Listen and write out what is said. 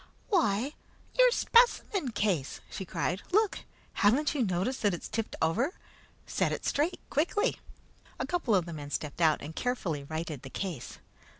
"Why, your specimen case!" she cried. "Look! Haven't you noticed that it's tipped over? Set it straight, quickly!" A couple of the men stepped out and carefully righted the case.